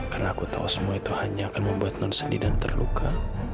karena aku tahu semua itu hanya akan membuat non sendi dan terluka